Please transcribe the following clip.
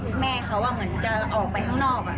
ทุกแม่เค้าว่าเหมือนจะออกไปข้างนอก